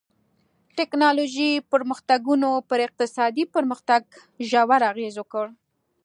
ټکنالوژیکي پرمختګونو پر اقتصادي پرمختګ ژور اغېز وکړ.